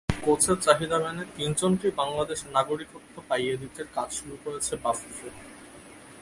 কোচের চাহিদা মেনে তিনজনকেই বাংলাদেশের নাগরিকত্ব পাইয়ে দিতে কাজ শুরু করেছে বাফুফে।